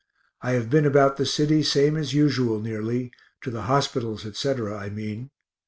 I have been about the city same as usual nearly to the hospitals, etc., I mean.